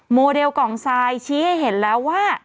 โมเดลกองไซด์ชี้ให้เห็นแล้วว่า